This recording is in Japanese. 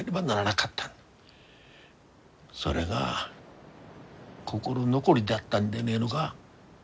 それが心残りだったんでねえのが？